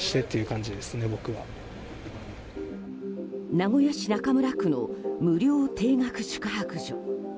名古屋市中村区の無料定額宿泊所。